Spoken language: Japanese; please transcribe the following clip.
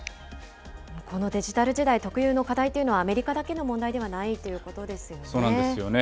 このデジタル時代特有の課題というのは、アメリカだけの問題そうなんですよね。